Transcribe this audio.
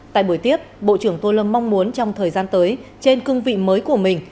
tại buổi tiếp bộ trưởng tô lâm mong muốn trong thời gian tới trên cương vị mới của mình